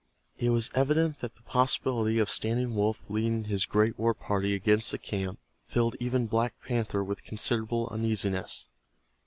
It was evident that the possibility of Standing Wolf leading his great war party against the camp filled even Black Panther with considerable uneasiness.